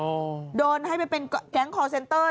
โอ้โหโดนให้ไปเป็นแก๊งคอร์เซ็นเตอร์